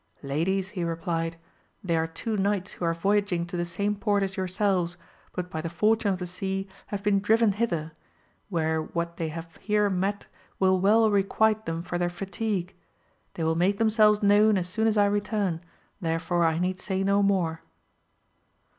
Ladies, he replied, they are two knights who are voyaging to the same port as yourselves, but by the fortune of the sea have been driven hither, where what they have here met will well requite them for their fatigue, they^ will make themselves known as soon as I return, therefore I need say no more.